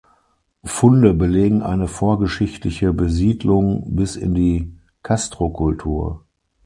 Funde belegen eine vorgeschichtliche Besiedlung bis in die Castrokultur.